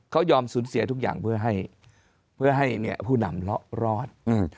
เขายอมสูญเสียทุกอย่างเพื่อให้ผู้หนำรอด